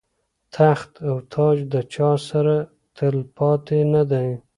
تخت او تاج د چا سره تل پاتې نه دی.